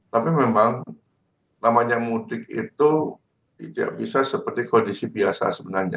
tapi memang namanya mudik itu tidak bisa seperti kondisi biasa sebenarnya